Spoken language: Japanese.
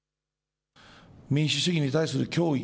民主主義に対する脅威。